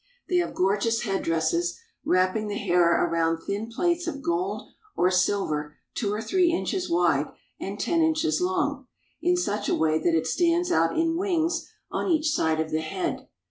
They have gorgeous headdresses, wrap ping the hair around thin plates of gold or silver two or three inches wide and ten inches long, in such a way that it stands out in wings on each side of the head.